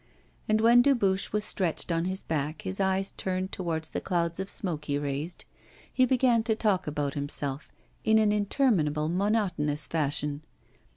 And when Dubuche was stretched on his back, his eyes turned towards the clouds of smoke he raised, he began to talk about himself in an interminable monotonous fashion.